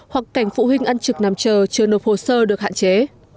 hoặc cảnh phụ huynh ăn trực nằm chờ chờ nộp hồ sơ được hạn chế